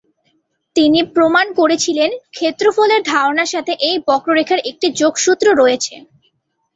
তিনি প্রমাণ করেছিলেন ক্ষেত্রফলের ধারনার সাথে এই বক্ররেখার একটি যোগসূত্র রয়েছে।